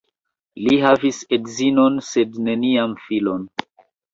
Li havis edzinon sed neniam filon.